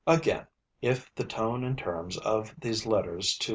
Again, if the tone and terms of these Letters to M.